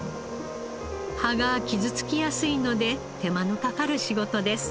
葉が傷つきやすいので手間のかかる仕事です。